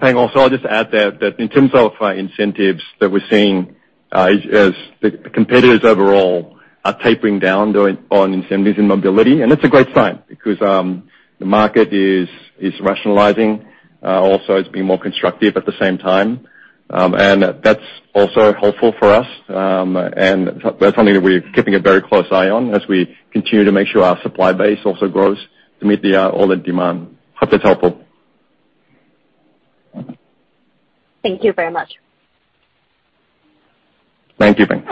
Speaker 4: Pang, also I'll just add that in terms of incentives that we're seeing, as the competitors overall are tapering down on incentives in mobility. That's a great sign because the market is rationalizing, also it's being more constructive at the same time. That's also helpful for us, and that's something that we're keeping a very close eye on as we continue to make sure our supply base also grows to meet all the demand. Hope that's helpful.
Speaker 9: Thank you very much.
Speaker 3: Thank you, Pang.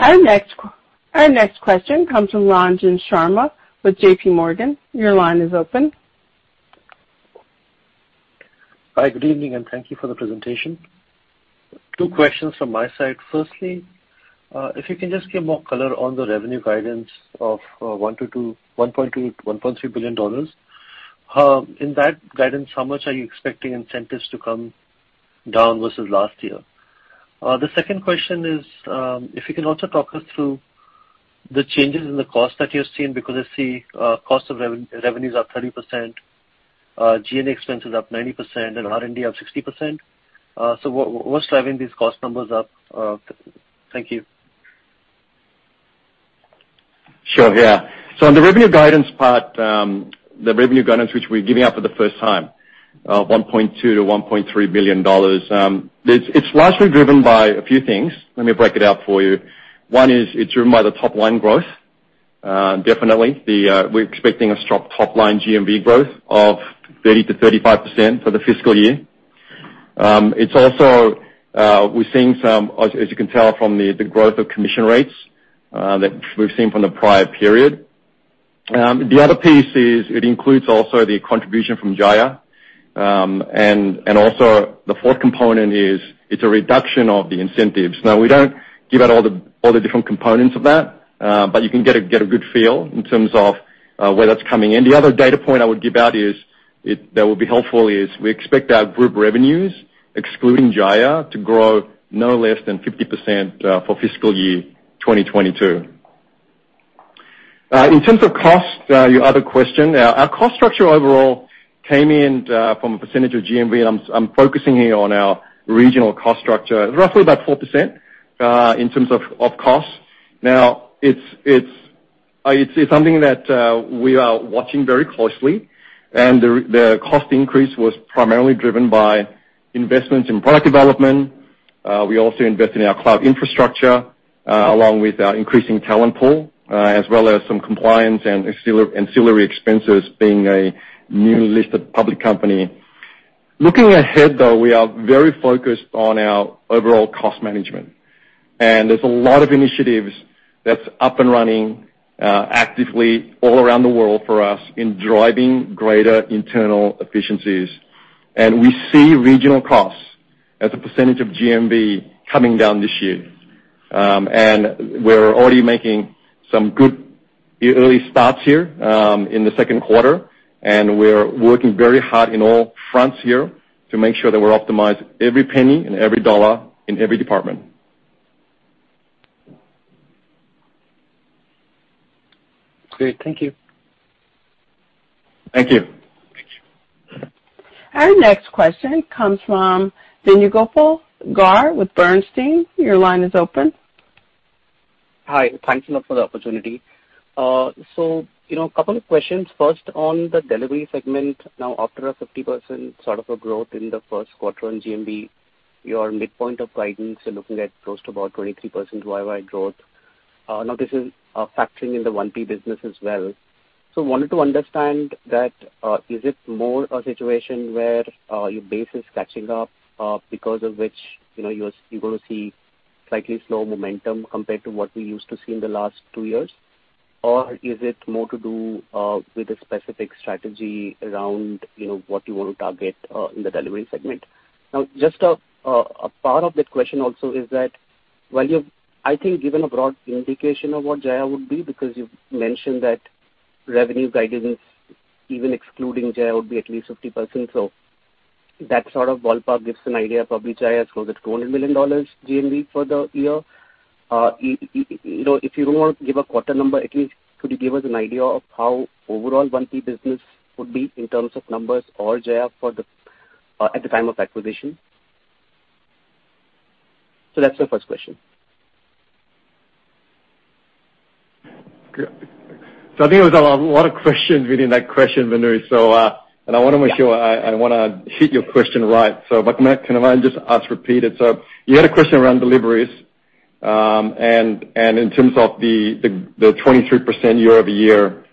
Speaker 1: Our next question comes from Ranjan Sharma with JPMorgan. Your line is open.
Speaker 10: Hi, good evening, and thank you for the presentation. Two questions from my side. Firstly, if you can just give more color on the revenue guidance of $1.2 billion-$1.3 billion. In that guidance, how much are you expecting incentives to come down versus last year? The second question is, if you can also walk us through the changes in the cost that you're seeing because I see cost of revenues are 30%, G&A expenses up 90% and R&D up 60%. What's driving these cost numbers up? Thank you.
Speaker 4: Sure, yeah. On the revenue guidance part, the revenue guidance which we're giving out for the first time, $1.2 billion-$1.3 billion, it's largely driven by a few things. Let me break it out for you. One is it's driven by the top line growth. Definitely we're expecting a strong top line GMV growth of 30%-35% for the fiscal year. It's also, we're seeing some, as you can tell from the growth of commission rates that we've seen from the prior period. The other piece is it includes also the contribution from Jaya. And also the fourth component is it's a reduction of the incentives. Now we don't give out all the different components of that, but you can get a good feel in terms of where that's coming in. The other data point I would give out is that will be helpful is we expect our group revenues, excluding Jaya, to grow no less than 50%, for fiscal year 2022. In terms of cost, your other question, our cost structure overall came in from a percentage of GMV. I'm focusing here on our regional cost structure, roughly about 4% in terms of cost. Now, it's something that we are watching very closely and the cost increase was primarily driven by investments in product development. We also invest in our cloud infrastructure, along with our increasing talent pool, as well as some compliance and ancillary expenses being a newly listed public company. Looking ahead, though, we are very focused on our overall cost management, and there's a lot of initiatives that's up and running, actively all around the world for us in driving greater internal efficiencies. We see regional costs as a percentage of GMV coming down this year. We're already making some good early starts here, in the second quarter, and we're working very hard on all fronts here to make sure that we optimize every penny and every dollar in every department.
Speaker 10: Great. Thank you.
Speaker 4: Thank you.
Speaker 1: Our next question comes from Venugopal Garre with Bernstein. Your line is open.
Speaker 11: Hi. Thank you so much for the opportunity. You know, a couple of questions. First, on the delivery segment. Now, after a 50% sort of a growth in the first quarter on GMV, your midpoint of guidance, you're looking at close to about 23% YY growth. Now this is factoring in the 1P business as well. Wanted to understand that, is it more a situation where your base is catching up because of which, you know, you're gonna see slightly slow momentum compared to what we used to see in the last two years? Or is it more to do with a specific strategy around, you know, what you want to target in the delivery segment? Now, just a part of that question also is that while you've, I think, given a broad indication of what Jaya would be, because you've mentioned that revenue guidance, even excluding Jaya, would be at least 50%. That sort of ballpark gives an idea, probably Jaya is close to $200 million GMV for the year. You know, if you don't want to give a quarter number, at least could you give us an idea of how overall 1P business would be in terms of numbers or Jaya for the at the time of acquisition. That's the first question.
Speaker 4: I think there was a lot of questions within that question, Venu. I wanna make sure I wanna hit your question right. Can I just ask to repeat it? You had a question around deliveries. In terms of the 23% year-over-year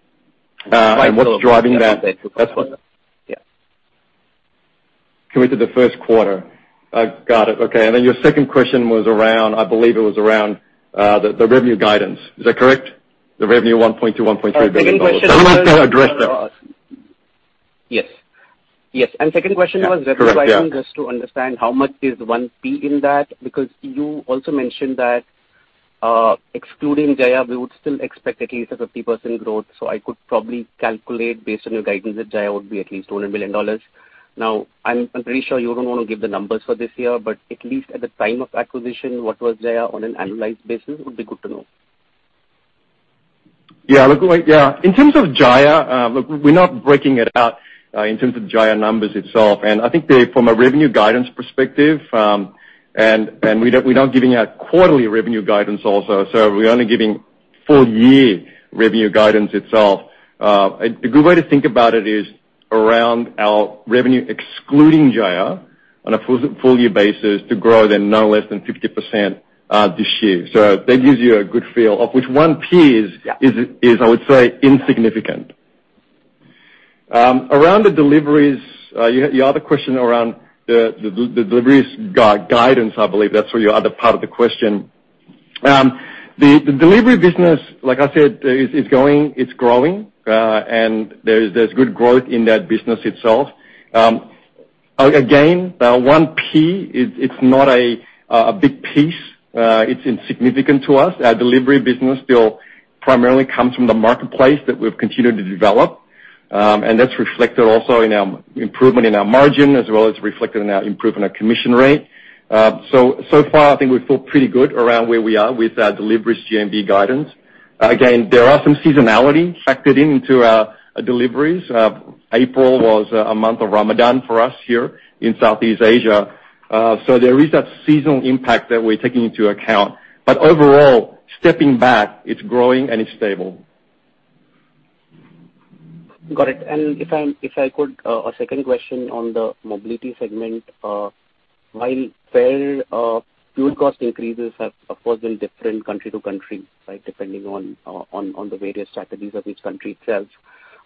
Speaker 4: and what's driving that.
Speaker 11: Yeah.
Speaker 4: Comment on the first quarter. I've got it. Okay. Then your second question was around, I believe it was around, the revenue guidance. Is that correct? The revenue $1.2 billion-$1.3 billion.
Speaker 11: Second question. Yes. Second question was revenue guidance.
Speaker 4: Correct. Yeah.
Speaker 11: Just to understand how much is 1P in that, because you also mentioned that, excluding Jaya, we would still expect at least a 50% growth. I could probably calculate based on your guidance that Jaya would be at least $200 million. Now, I'm pretty sure you don't wanna give the numbers for this year, but at least at the time of acquisition, what was Jaya on an annualized basis would be good to know.
Speaker 4: Yeah. Look, like, yeah, in terms of Jaya, look, we're not breaking it out in terms of Jaya numbers itself. I think they, from a revenue guidance perspective, and we don't, we're not giving out quarterly revenue guidance also, so we're only giving full year revenue guidance itself. A good way to think about it is around our revenue excluding Jaya on a full year basis to grow then no less than 50%, this year. So that gives you a good feel of which one piece-
Speaker 11: Yeah.
Speaker 4: This is, I would say, insignificant. Around the deliveries, you had a question around the deliveries guidance, I believe that's for your other part of the question. The delivery business, like I said, is going, it's growing, and there's good growth in that business itself. Again, 1P, it's not a big piece. It's insignificant to us. Our delivery business still primarily comes from the marketplace that we've continued to develop. And that's reflected also in our improvement in our margin, as well as reflected in our improvement of commission rate. So far I think we feel pretty good around where we are with our deliveries GMV guidance. Again, there are some seasonality factored into our deliveries. April was a month of Ramadan for us here in Southeast Asia. There is that seasonal impact that we're taking into account. Overall, stepping back, it's growing and it's stable.
Speaker 11: Got it. If I could, a second question on the mobility segment. While fuel cost increases have, of course, been different country to country, right? Depending on the various strategies of each country itself.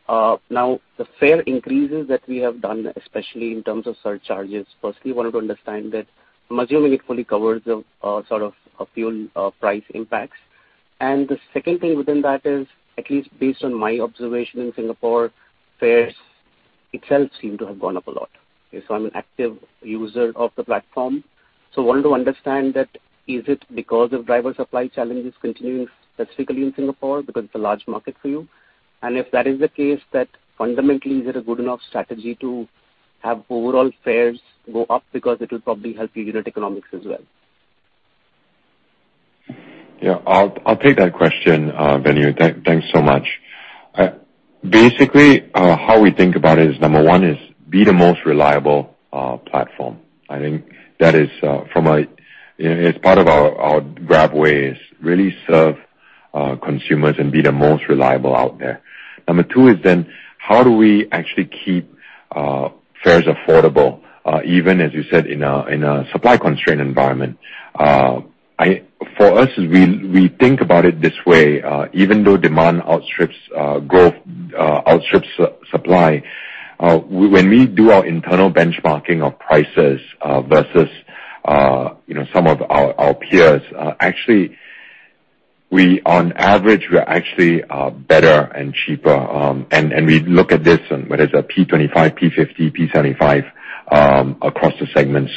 Speaker 11: Now the fare increases that we have done, especially in terms of surcharges, firstly wanted to understand that I'm assuming it fully covers the sort of a fuel price impacts. The second thing within that is, at least based on my observation in Singapore, fares itself seem to have gone up a lot. I'm an active user of the platform, so wanted to understand that is it because of driver supply challenges continuing specifically in Singapore because it's a large market for you? If that is the case, that fundamentally is it a good enough strategy to have overall fares go up because it'll probably help you unit economics as well.
Speaker 3: Yeah. I'll take that question, Venu. Thanks so much. Basically, how we think about it is number one is be the most reliable platform. I think that is, from a, you know, it's part of our Grab way is really serve consumers and be the most reliable out there. Number two is then how do we actually keep fares affordable, even as you said in a supply constraint environment? For us, we think about it this way, even though demand outstrips supply, when we do our internal benchmarking of prices versus, you know, some of our peers, actually on average, we are actually better and cheaper. We look at this and whether it's a P25, P50, P75 across the segment.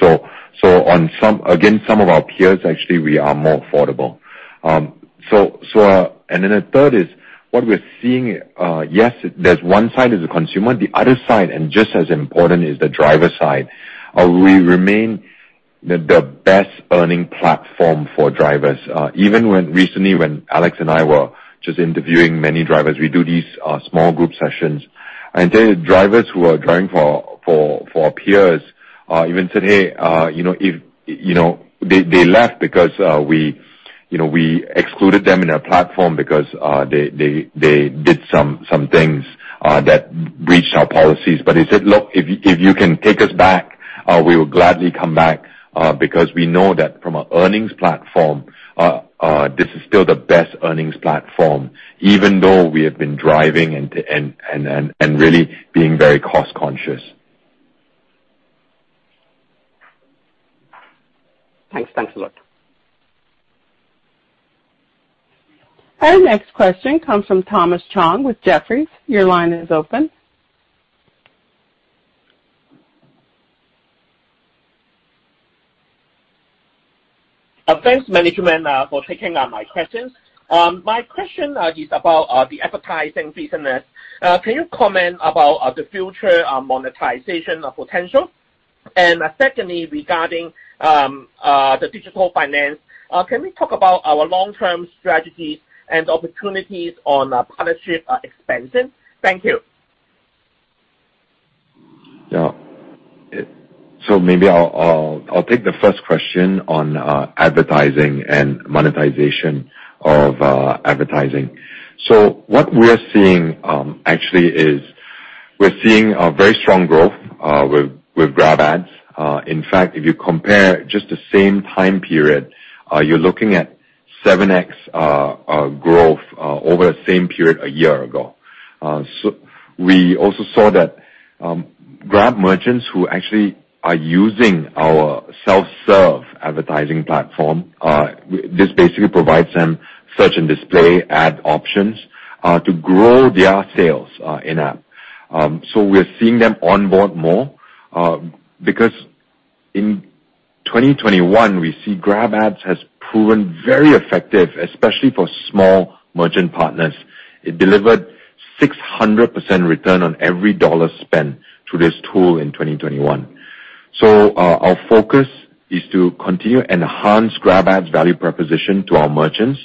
Speaker 3: On some, again, some of our peers actually we are more affordable. Then the third is what we're seeing. Yes, there's one side is the consumer, the other side, and just as important is the driver side. We remain the best earning platform for drivers. Even when recently, when Alex and I were just interviewing many drivers, we do these small group sessions. I tell you, drivers who are driving for peers even said, "Hey, you know, if, you know," they left because we excluded them in our platform because they did some things that breached our policies. They said, "Look, if you can take us back, we will gladly come back, because we know that from an earnings platform, this is still the best earnings platform, even though we have been driving and really being very cost conscious".
Speaker 11: Thanks. Thanks a lot.
Speaker 1: Our next question comes from Thomas Chong with Jefferies. Your line is open.
Speaker 12: Thanks, management, for taking my questions. My question is about the advertising business. Can you comment about the future monetization potential? Secondly, regarding the digital finance, can we talk about our long-term strategy and opportunities on partnership expansion? Thank you.
Speaker 3: Yeah. Maybe I'll take the first question on advertising and monetization of advertising. What we are seeing, actually, is we're seeing a very strong growth with GrabAds. In fact, if you compare just the same time period, you're looking at 7x growth over the same period a year ago. We also saw that Grab merchants who actually are using our self-serve advertising platform, this basically provides them search and display ad options to grow their sales in-app. We are seeing them onboard more because in 2021, we see GrabAds has proven very effective, especially for small merchant partners. It delivered 600% return on every $1 spent through this tool in 2021. Our focus is to continue enhance GrabAds value proposition to our merchants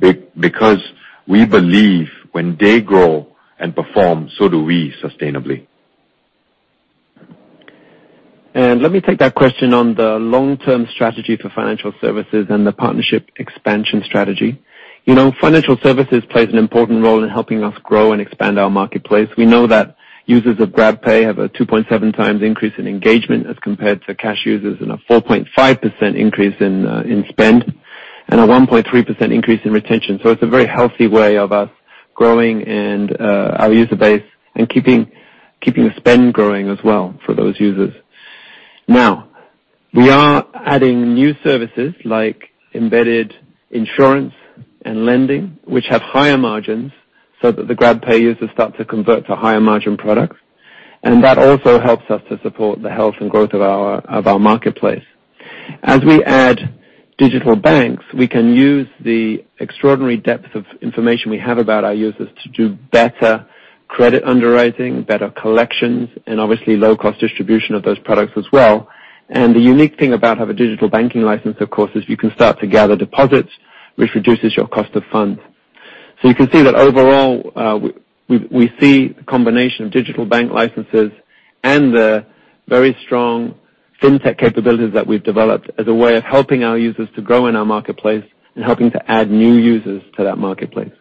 Speaker 3: because we believe when they grow and perform, so do we sustainably.
Speaker 13: Let me take that question on the long-term strategy for financial services and the partnership expansion strategy. You know, financial services plays an important role in helping us grow and expand our marketplace. We know that users of GrabPay have a 2.7x increase in engagement as compared to cash users, and a 4.5% increase in spend, and a 1.3% increase in retention. So it's a very healthy way of us growing and our user base and keeping the spend growing as well for those users. Now, we are adding new services like embedded insurance and lending, which have higher margins, so that the GrabPay users start to convert to higher margin products. That also helps us to support the health and growth of our marketplace. As we add digital banks, we can use the extraordinary depth of information we have about our users to do better credit underwriting, better collections, and obviously low cost distribution of those products as well. The unique thing about have a digital banking license, of course, is you can start to gather deposits, which reduces your cost of funds. You can see that overall, we see the combination of digital bank licenses and the very strong fintech capabilities that we've developed as a way of helping our users to grow in our marketplace and helping to add new users to that marketplace.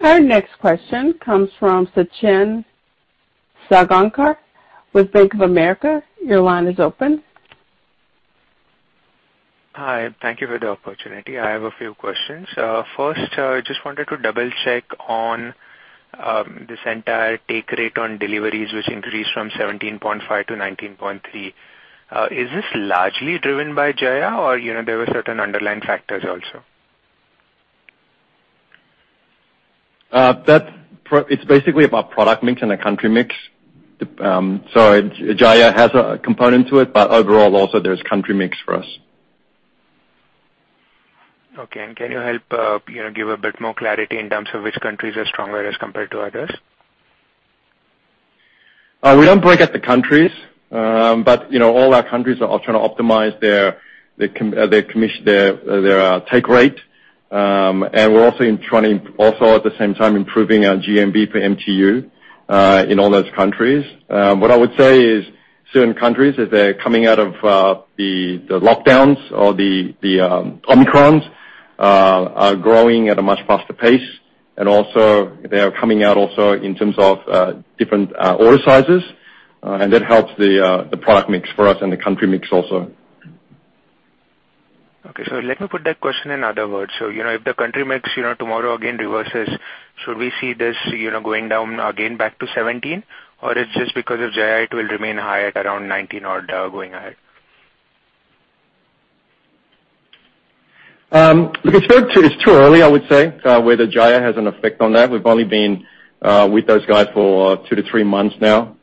Speaker 1: Our next question comes from Sachin Salgaonkar with Bank of America. Your line is open.
Speaker 14: Hi. Thank you for the opportunity. I have a few questions. First, just wanted to double-check on this entire take rate on deliveries, which increased from 17.5%-19.3%. Is this largely driven by Jaya or, you know, there were certain underlying factors also?
Speaker 3: That's basically about product mix and a country mix. Jaya has a component to it, but overall also there's country mix for us.
Speaker 14: Okay. Can you help give a bit more clarity in terms of which countries are stronger as compared to others?
Speaker 3: We don't break out the countries. But, you know, all our countries are trying to optimize their commission, their take rate. We're also trying to improve our GMV per MTU in all those countries at the same time. What I would say is certain countries, as they're coming out of the lockdowns or the Omicron, are growing at a much faster pace. They are coming out also in terms of different order sizes, and that helps the product mix for us and the country mix also.
Speaker 14: Okay. Let me put that question in other words. You know, if the country mix, you know, tomorrow again reverses, should we see this, you know, going down again back to 17%, or it's just because of Jaya, it will remain high at around 19% going ahead?
Speaker 3: Look, it's too early, I would say, whether Jaya has an effect on that. We've only been with those guys for two-three months now.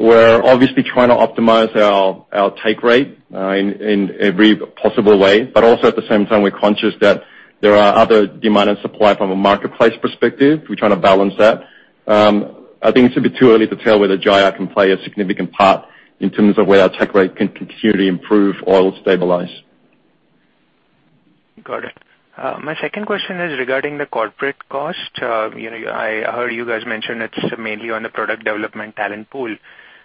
Speaker 3: We're obviously trying to optimize our take rate in every possible way. Also at the same time, we're conscious that there are other demand and supply from a marketplace perspective. We're trying to balance that. I think it's a bit too early to tell whether Jaya can play a significant part in terms of where our take rate can continue to improve or stabilize.
Speaker 14: Got it. My second question is regarding the corporate cost. You know, I heard you guys mention it's mainly on the product development talent pool.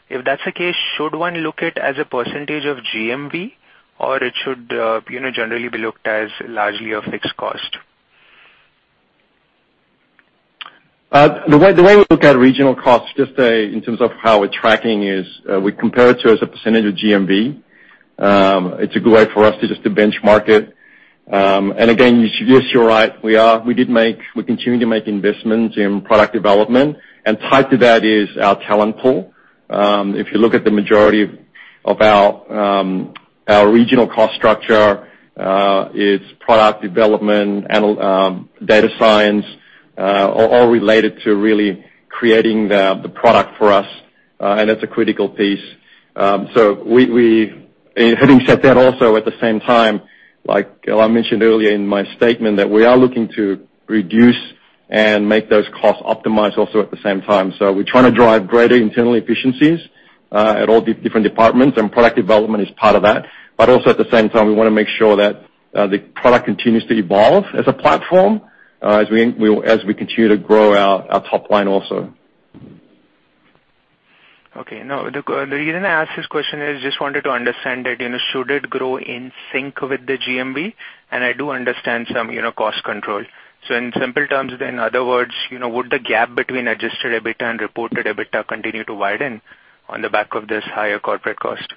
Speaker 14: If that's the case, should one look at as a percentage of GMV or it should, you know, generally be looked as largely a fixed cost?
Speaker 4: The way we look at regional costs, just in terms of how we're tracking is, we compare it, as a percentage of GMV. It's a good way for us to benchmark it. Again, yes, you're right, we continue to make investments in product development, and tied to that is our talent pool. If you look at the majority of our regional cost structure, it's product development and data science, all related to really creating the product for us, and that's a critical piece. Having said that, also at the same time, like I mentioned earlier in my statement, that we are looking to reduce and make those costs optimized also at the same time. We're trying to drive greater internal efficiencies at all the different departments, and product development is part of that. Also at the same time, we wanna make sure that the product continues to evolve as a platform as we continue to grow our top line also.
Speaker 14: Okay. No, the reason I ask this question is just wanted to understand that, you know, should it grow in sync with the GMV? I do understand some, you know, cost control. In simple terms then, in other words, you know, would the gap between Adjusted EBITDA and reported EBITDA continue to widen on the back of this higher corporate cost?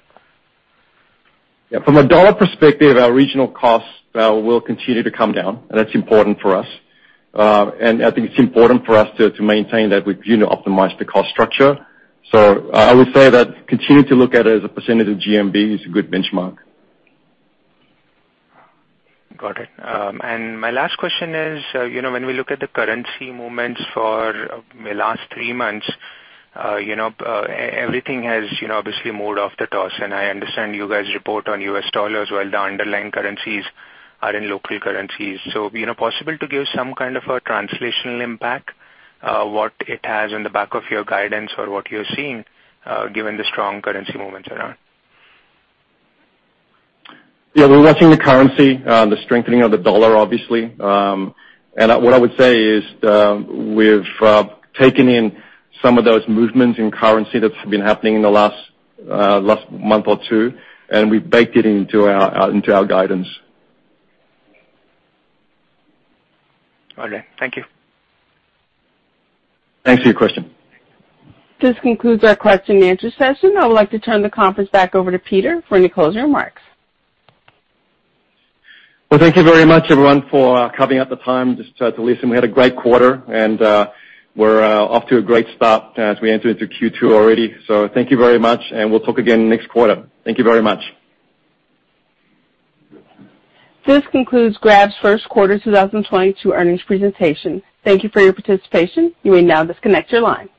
Speaker 4: Yeah. From a dollar perspective, our regional costs will continue to come down, and that's important for us. I think it's important for us to maintain that we continue to optimize the cost structure. I would say that continue to look at it as a percentage of GMV is a good benchmark.
Speaker 14: Got it. My last question is, you know, when we look at the currency movements for the last three months, you know, everything has, you know, obviously moved off the lows. I understand you guys report on U.S. dollars while the underlying currencies are in local currencies. You know, possible to give some kind of a translational impact, what it has on the back of your guidance or what you're seeing, given the strong currency movements around?
Speaker 4: Yeah. We're watching the currency, the strengthening of the dollar, obviously. What I would say is, we've taken in some of those movements in currency that's been happening in the last month or two, and we baked it into our guidance.
Speaker 14: Okay. Thank you.
Speaker 4: Thanks for your question.
Speaker 1: This concludes our question and answer session. I would like to turn the conference back over to Peter for any closing remarks.
Speaker 4: Well, thank you very much everyone for carving out the time just to listen. We had a great quarter, and we're off to a great start as we enter into Q2 already. Thank you very much, and we'll talk again next quarter. Thank you very much.
Speaker 1: This concludes Grab's first quarter 2022 earnings presentation. Thank you for your participation. You may now disconnect your line.